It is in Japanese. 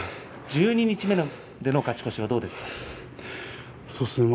十二日目での勝ち越しはどうですか？